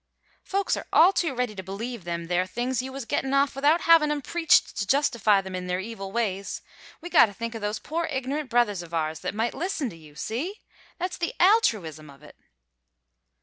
"Folks are all too ready to believe them there things you was gettin' off without havin' 'em preached to justify 'em in their evil ways. We gotta think of those poor ignorant brothers of ours that might listen to you. See? That's the altruism of it!"